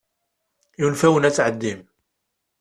Yunef-awen ad tɛeddim.